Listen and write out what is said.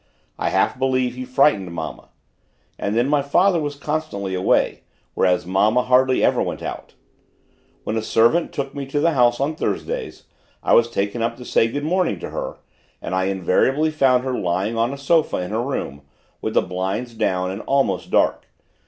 I half believe he frightened mamma! And then my father was constantly away, whereas mamma hardly ever went out. When a servant took me to the house on Thursdays, I was taken up to say good morning to her, and I invariably found her lying on a sofa in her room, with the blinds down and almost dark.